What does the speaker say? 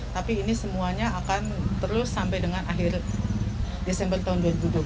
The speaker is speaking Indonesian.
tapi ini semuanya akan terus sampai dengan akhir desember tahun dua ribu dua puluh